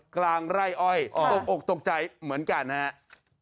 กลางไร่อ้อยตกอกตกใจเหมือนกันนะครับ